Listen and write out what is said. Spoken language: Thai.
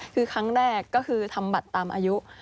คือครั้งแรกก็คือทำบัตรตามอายุ